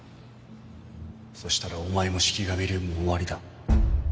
そしたらお前も四鬼神流も終わりだ